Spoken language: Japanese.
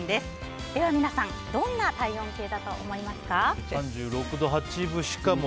では皆さんどんな体温計だと思いますか？